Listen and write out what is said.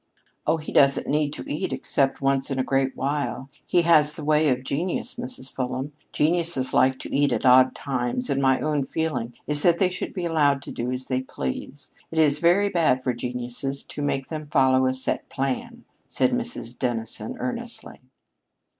"Oh, he doesn't need to eat except once in a great while. He has the ways of genius, Mrs. Fulham. Geniuses like to eat at odd times, and my own feeling is that they should be allowed to do as they please. It is very bad for geniuses to make them follow a set plan," said Mrs. Dennison earnestly.